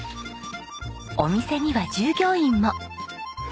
お店には従業員も。